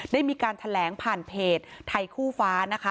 ได้มีการแถลงผ่านเพจไทยคู่ฟ้านะคะ